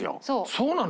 そうなの？